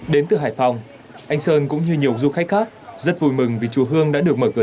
đến từ hải phòng anh sơn cũng như nhiều du khách khác rất vui mừng vì chùa hương đã được mở cửa